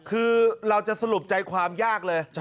คือเราจะสรุปใจความยากเลย